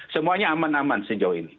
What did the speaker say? semuanya aman aman sejauh ini